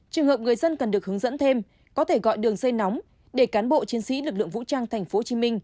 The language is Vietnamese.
trường hợp người dân cần được hướng dẫn thêm có thể gọi đường dây nóng để cán bộ chiến sĩ lực lượng vũ trang tp hcm